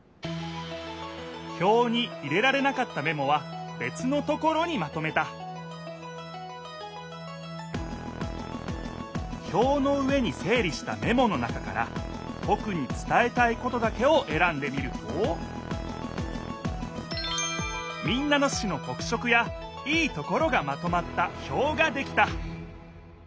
ひょうに入れられなかったメモはべつのところにまとめたひょうの上に整理したメモの中からとくにつたえたいことだけをえらんでみると民奈野市のとく色やいいところがまとまったひょうができた！